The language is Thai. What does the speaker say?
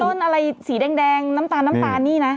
ต้นอะไรสีแดงน้ำตาลน้ำตาลนี่นะ